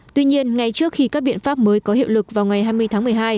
tuy nhiên ngay trước khi các biện pháp mới có hiệu lực vào ngày hai mươi tháng một mươi hai